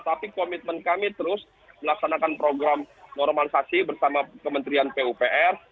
tapi komitmen kami terus melaksanakan program normalisasi bersama kementerian pupr